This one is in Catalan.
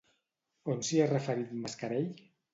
On s'hi ha referit Mascarell?